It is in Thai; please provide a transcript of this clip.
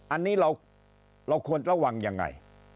อันนี้เราควรระวังยังไง